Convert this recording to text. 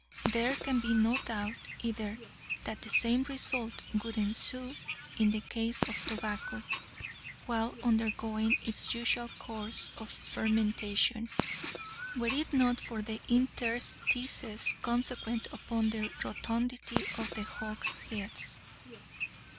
There can be no doubt either that the same result would ensue in the case of tobacco, while undergoing its usual course of fermentation, were it not for the interstices consequent upon the rotundity of the hogsheads.